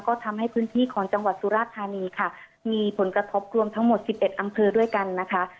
ก็ทำให้พื้นที่ของจังหวัดสุราธานีค่ะมีผลกระทบรวมทั้งหมด๑๑อำเภอด้วยกันนะคะ